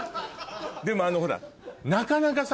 でもほらなかなかさ